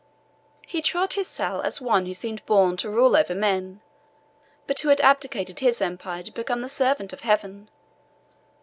He trod his cell as one who seemed born to rule over men, but who had abdicated his empire to become the servant of Heaven.